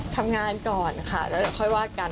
ทำงานก่อนค่ะแล้วค่อยวาดกัน